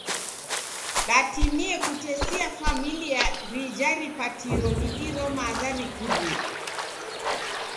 Datimie kutesia familia rija ripatiro ni iro maza rikurie.